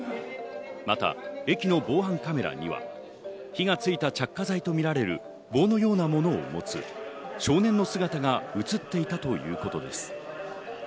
また駅の防犯カメラには、火がついた着火剤と見られる棒のようなものを持つ少年の姿が映っていたということです。